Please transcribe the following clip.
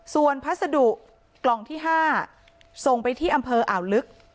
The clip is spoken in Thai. ส่วนพัสดุกล่องที่๕ส่งไปที่อำเภออ่าวลึก